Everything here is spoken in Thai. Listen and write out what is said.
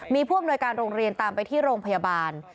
มีผู้อำนวยการโรงเรียนตามไปที่โรงพยาบาล